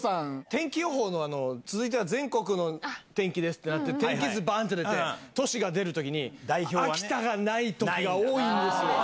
天気予報の、続いては全国の天気ですってなって、天気図ばーんって出て、都市が出るとき、秋田がないときが多いんですよ。